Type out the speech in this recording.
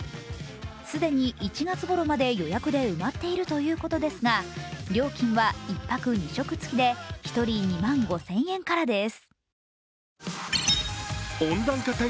既に１月ごろまで予約で埋まっているということですが料金は１泊２食付きで１人２万５０００円からです。